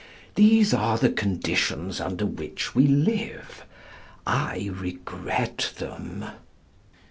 These are the conditions under which we live. I regret them.